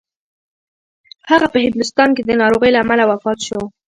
هغه په هندوستان کې د ناروغۍ له امله وفات شو.